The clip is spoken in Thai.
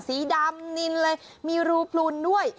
สีดำนินเลยมีรูพลุนด้วย